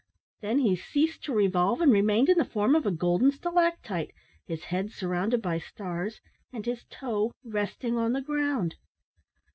Then he ceased to revolve, and remained in the form of a golden stalactite his head surrounded by stars and his toe resting on the ground!